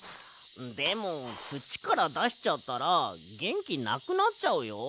でもつちからだしちゃったらげんきなくなっちゃうよ。